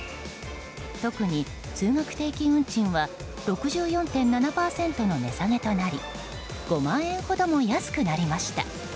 特に通学定期運賃は６４．７％の値下げとなり５万円ほども安くなりました。